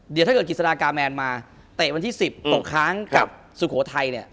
เดี๋ยวถ้าเกิดกิจสดากาแมนมาเตะวันที่๑๐ตกค้างกับสุโขทัยเนี่ย